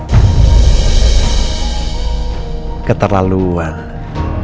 mereka buang bayi itu karena itu anaknya roy